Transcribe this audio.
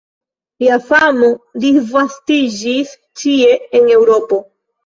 Lia famo disvastiĝis ĉie en Eŭropo.